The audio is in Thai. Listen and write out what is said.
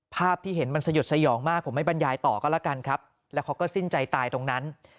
ภาพที่เห็นมันสยดสยองมากผมไม่บรรยายต่อก็แล้วกันครับแล้วเขาก็สิ้นใจตายตรงนั้น